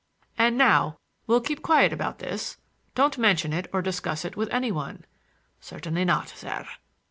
"And now we'll keep quiet about this. Don't mention it or discuss it with any one." "Certainly not, sir."